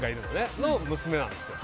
その娘なんですよ。